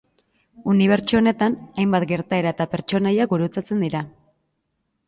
Unibertso honetan, hainbat gertaera eta pertsonaia gurutzatzen dira.